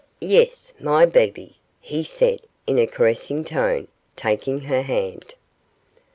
'Yes, my Bebe,' he said, in a caressing tone, taking her hand.